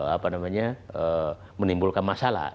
apa namanya menimbulkan masalah